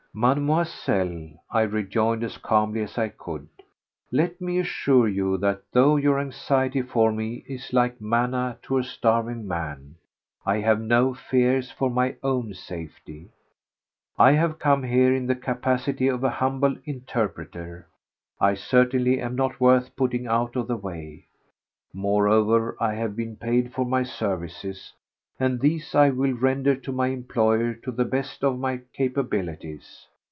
"Mademoiselle," I rejoined as calmly as I could, "let me assure you that though your anxiety for me is like manna to a starving man, I have no fears for my own safety. I have come here in the capacity of a humble interpreter; I certainly am not worth putting out of the way. Moreover, I have been paid for my services, and these I will render to my employer to the best of my capabilities."